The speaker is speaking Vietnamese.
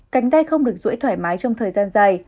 cánh tay không được rũi thoải mái trong thời gian dài